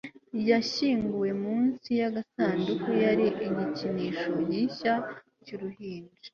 yashyinguwe mu nsi yagasanduku yari igikinisho gishya cyuruhinja